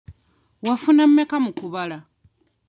Wafuna mmeka mu kubala?